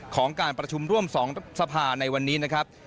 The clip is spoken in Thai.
ของการประชุมร่วม๒สภาในวันนี้นะครับ